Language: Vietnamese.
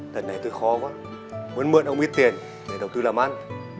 lần này tôi khó quá muốn mượn ông ít tiền để đầu tư làm ăn